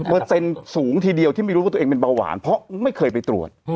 สูงทีเดียวที่ไม่รู้ว่าตัวเองเป็นเบาหวานเพราะไม่เคยไปตรวจ